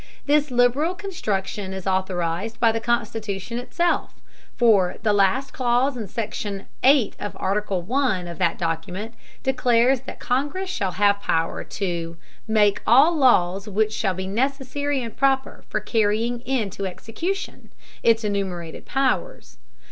This liberal construction is authorized by the Constitution itself, for the last clause in Section VIII of Article One of that document declares that Congress shall have power to "make all laws which shall be necessary and proper for carrying into execution" its enumerated powers.